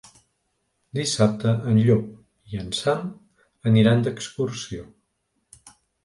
Dissabte en Llop i en Sam aniran d'excursió.